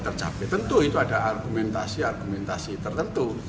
tercapai tentu itu ada argumentasi argumentasi tertentu